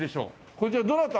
こちらどなた？